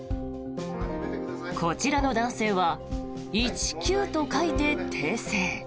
こちらの男性は１９と書いて訂正。